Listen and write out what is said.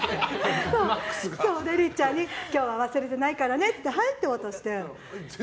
りっちゃんに今日は忘れてないからねってはいって渡して。